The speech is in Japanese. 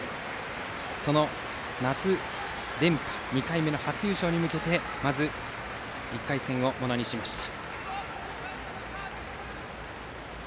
夏連覇、２回目の初優勝に向けてまず１回戦をものにしました。